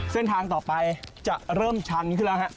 เส้นทางต่อไปจะเริ่มชันขึ้นแล้วฮะ